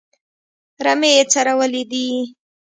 رمې یې څرولې دي.